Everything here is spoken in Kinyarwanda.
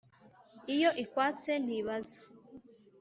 iyo ikwatse ntibaza..!